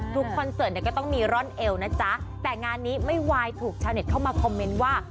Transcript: คอนเสิร์ตเนี่ยก็ต้องมีร่อนเอวนะจ๊ะแต่งานนี้ไม่ไหวถูกชาวเน็ตเข้ามาคอมเมนต์ว่า